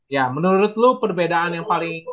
ya menurut lu perbedaan yang paling